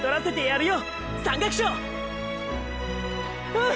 うん！！